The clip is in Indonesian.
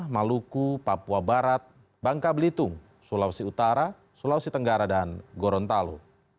maluku papua barat bangka belitung sulawesi utara sulawesi tenggara dan gorontalo